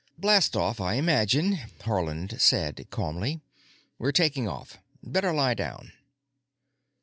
"Blastoff, I imagine," Haarland said calmly. "We're taking off. Better lie down."